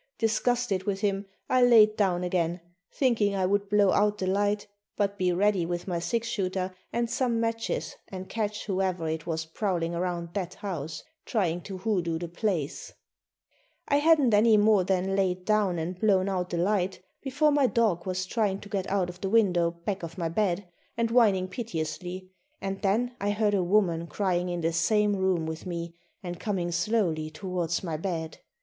Disgusted with him, I laid down again, thinking I would blow out the light, but be ready with my six shooter and some matches and catch whoever it was prowling around that house, trying to hoodoo the place. [Illustration: The Cattle Queen's Ghost.] I hadn't any more than laid down and blown out the light before my dog was trying to get out of the window back of my bed and whining piteously, and then I heard a woman crying in the same room with me and coming slowly towards my bed.